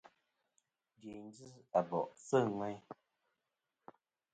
Dyèyn ji Abòʼ sɨ̂ ŋweyn.